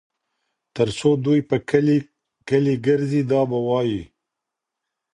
تر څو دوى په کلي کلي ګرځي دا به وايي